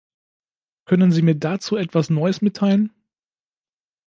Können Sie mir dazu etwas Neues mitteilen?